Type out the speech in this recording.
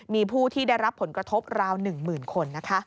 มีผู้ที่ได้รับผลกระทบราว๑๐๐๐คน